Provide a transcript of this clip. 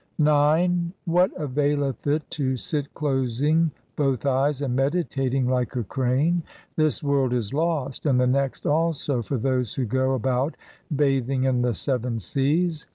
IX What availeth it to sit closing both eyes and meditating like a crane ? This world is lost, and the next also for those who go about bathing in the seven seas.